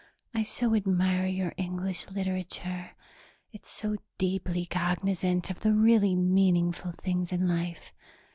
I so admire your English literature. It's so deeply cognizant of the really meaningful things in life.